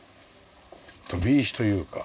飛び石というか。